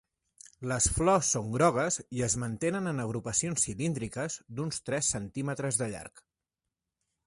Les flors són grogues i es mantenen en agrupacions cilíndriques d'uns tres centímetres de llarg.